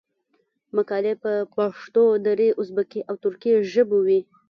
مقالي په پښتو، دري، ازبکي او ترکي ژبو وې.